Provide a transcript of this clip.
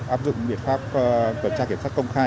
áp dụng biện pháp tuần tra kiểm soát công khai